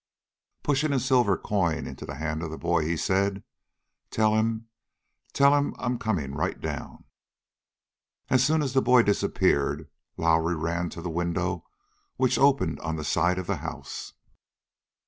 Pushing a silver coin into the hand of the boy, he said: "Tell him tell him I'm coming right down." As soon as the boy disappeared, Lowrie ran to the window which opened on the side of the house.